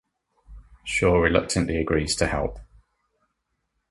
Shaw reluctantly agrees to help.